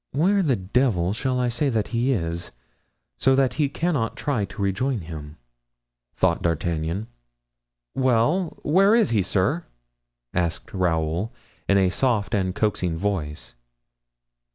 "Where the devil shall I say that he is, so that he cannot try to rejoin him?" thought D'Artagnan. "Well, where is he, sir?" asked Raoul, in a soft and coaxing voice.